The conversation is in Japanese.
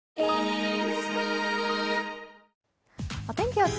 お天気